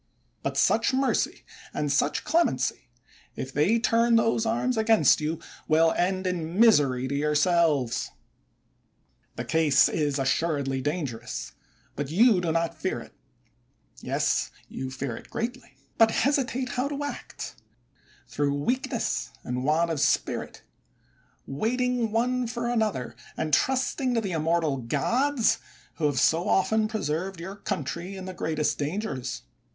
But such mercy, and such clemency, if they turn those arms against you, will end in misery to yourselves. The case is, assuredly, dangerous, but you do not fear it ; yes, you fear it greatly, but you hesitate how to act, through weakness and want of spirit, waiting one for another, and trusting to the immortal gods, who have so often preserved your country in the greatest dangers.